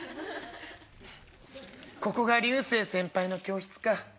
ここが流星先輩の教室か」。